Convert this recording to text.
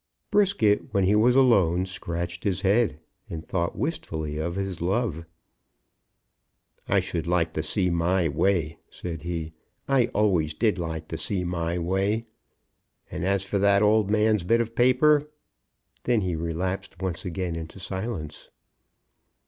Brisket, when he was alone, scratched his head, and thought wistfully of his love. "I should like to see my way," said he. "I always did like to see my way. And as for that old man's bit of paper " Then he relapsed once again into silence.